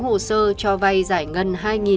hồ sơ cho vay giải ngân